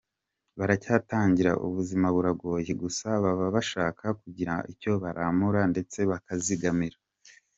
Baracyatangira, ubuzima buragoye, gusa babasha kugira icyo baramura ndetse bakizigamira.